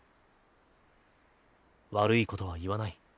悪いことは言わない。